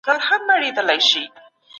د پانګې غلط استعمال ټولنه تباه کوي.